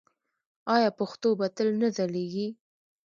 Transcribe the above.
آیا پښتو به تل نه ځلیږي؟